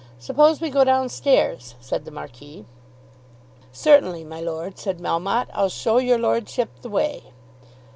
"Suppose we go down stairs," said the Marquis. "Certainly, my lord," said Melmotte. "I'll show your lordship the way."